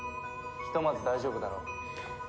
ひとまず大丈夫だろう。